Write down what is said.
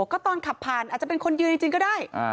ก็ตอนขับผ่านอาจจะเป็นคนยืนจริงก็ได้